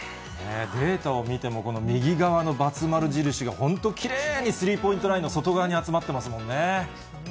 データを見てもこの右側の罰丸印が本当、きれいにスリーポイントラインの外側に集まってますもんね。